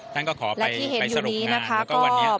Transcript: ท่านก็ขอไปสรุปงานแล้ววันนี้ก็จะใหม่อีกรอบ